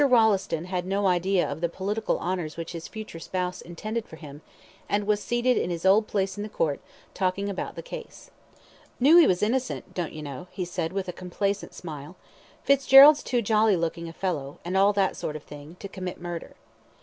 Rolleston had no idea of the political honours which his future spouse intended for him, and was seated in his old place in the court, talking about the case. "Knew he was innocent, don't you know," he said, with a complacent smile "Fitzgerald's too jolly good looking a fellow, and all that sort of thing, to commit murder."